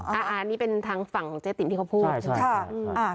อ่านี่เป็นทางฝั่งของเจ๊ติ๋มที่เขาพูด